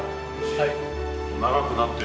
はい。